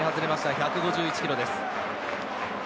１５１キロです。